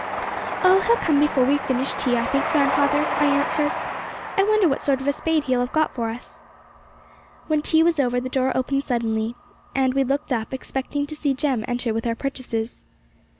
'Oh, he'll come before we've finished tea, I think, grandfather,' I answered. 'I wonder what sort of a spade he'll have got for us.' When tea was over, the door opened suddenly, and we looked up, expecting to see Jem enter with our purchases.